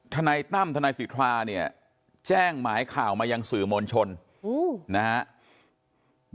ทนายตั้มทนายสิทธาเนี่ยแจ้งหมายข่าวมายังสื่อมวลชนนะครับ